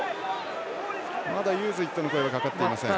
まだユーズイットの声はかかっていません。